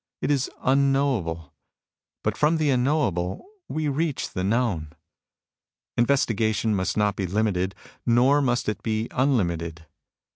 It is unknowable. But from the unknowable we reach the known. Investigation must not be limited, nor must it be unlimited.